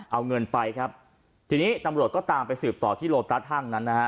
เอาเงินไปครับทีนี้ตำรวจก็ตามไปสืบต่อที่โลตัสห้างนั้นนะฮะ